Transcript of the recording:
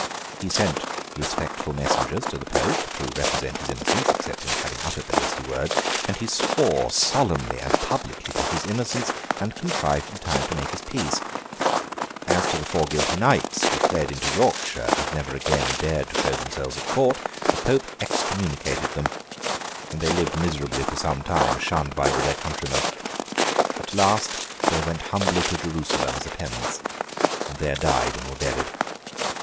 He sent respectful messengers to the Pope, to represent his innocence (except in having uttered the hasty words); and he swore solemnly and publicly to his innocence, and contrived in time to make his peace. As to the four guilty Knights, who fled into Yorkshire, and never again dared to show themselves at Court, the Pope excommunicated them; and they lived miserably for some time, shunned by all their countrymen. At last, they went humbly to Jerusalem as a penance, and there died and were buried.